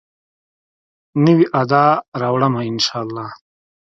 نوي ادا راوړمه، ان شاالله